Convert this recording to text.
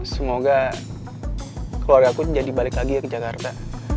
semoga keluarga aku jadi balik lagi ya ke jakarta